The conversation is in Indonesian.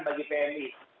bagi pmi dan itu kemarin